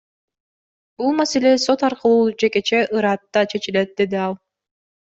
Бул маселе сот аркылуу жекече ыраатта чечилет, — деди ал.